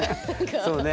そうね。